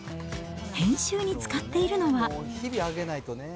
編集に使っているのは。